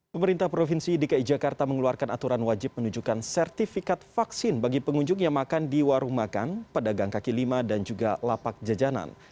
pemerintah provinsi dki jakarta mengeluarkan aturan wajib menunjukkan sertifikat vaksin bagi pengunjung yang makan di warung makan pedagang kaki lima dan juga lapak jajanan